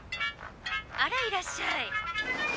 あらいらっしゃい。